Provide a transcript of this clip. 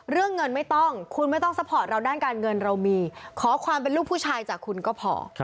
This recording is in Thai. เรื่องเงินไม่ต้องคุณไม่ต้องซัพพอร์ตเราด้านการเงินเรามีขอความเป็นลูกผู้ชายจากคุณก็พอ